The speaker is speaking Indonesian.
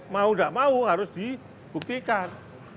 mau tidak mau harus dibuktikan